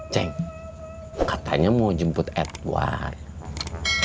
ceng katanya mau jemput edwin